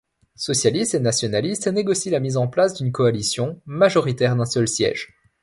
Socialistes et nationalistes négocient la mise en place d'une coalition, majoritaire d'un seul siège.